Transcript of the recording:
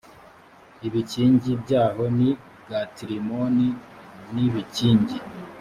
ibikingi byaho n i gatirimoni n ibikingi